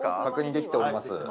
確認できております。